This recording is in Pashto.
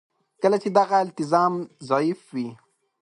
کله چې دغه التزام ضعیف وي.